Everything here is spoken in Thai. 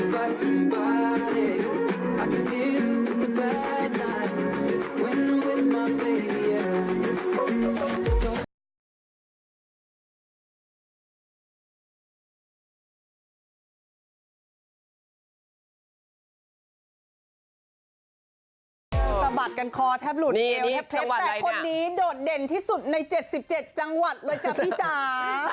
กันคอแทบหลุดเอ็วแทบเพล็ดแต่คนนี้โดดเด่นที่สุดในเจ็ดสิบเจ็ดจังหวัดเลยจ้ะพี่จ๋า